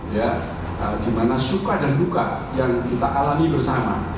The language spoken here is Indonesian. bagaimana suka dan buka yang kita alami bersama